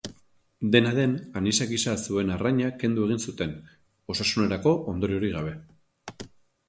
Dena den, anisakisa zuen arraina kendu egin zuten, osasunerako ondoriorik gabe.